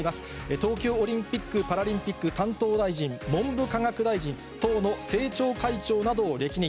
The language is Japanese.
東京オリンピック・パラリンピック担当大臣、文部科学大臣、党の政調会長などを歴任。